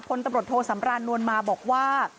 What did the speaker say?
พศโตสำรานนวลมาบอกว่า